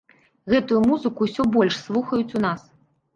Гэтую музыку ўсё больш слухаюць у нас.